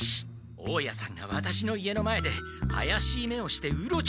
大家さんがワタシの家の前であやしい目をしてうろちょろしている。